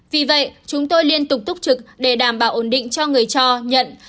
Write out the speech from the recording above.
vì vậy chúng tôi liên tục túc trực để đảm bảo ổn định cho người cho nhận